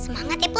semangat ya kak